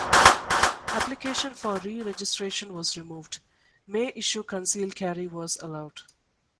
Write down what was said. Application for re-registration was removed, May issue concealed carry was allowed.